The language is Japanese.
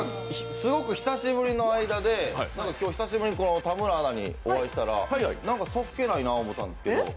すごく久しぶりの間で久しぶりに田村アナにお会いしたら何かそっけないな思たんですけど。